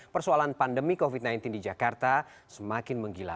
persoalan pandemi covid sembilan belas di jakarta semakin menggila